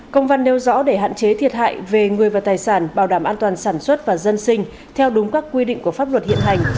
công văn nêu rõ để hạn chế thiệt hại về người và tài sản bảo đảm an toàn sản xuất và dân sinh theo đúng các quy định của pháp luật hiện hành